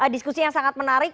diskusi yang sangat menarik